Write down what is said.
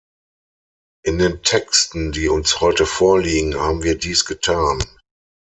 In den Texten, die uns heute vorliegen, haben wir dies getan.